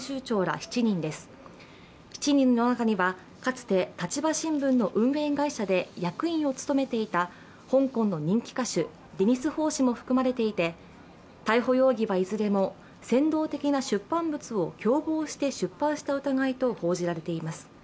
７人の中にはかつて「立場新聞」の運営会社で役員を務めていた香港の人気歌手、デニス・ホー氏も含まれていて、逮捕容疑はいずれも煽動的な出版物を共謀して出版した疑いと報じられています。